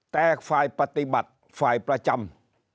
แต่ฝ่ายปฏิบัติฝ่ายประจำ